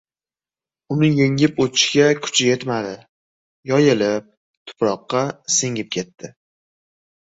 uni yengib oʻtishga kuchi yetmadi, yoyilib, tuproqqa singib ketdi.